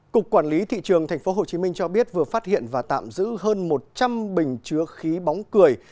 cục quản lý thị trường tp hcm cho biết vừa phát hiện và tạm giữ hơn một trăm linh bình chứa khí bóng cười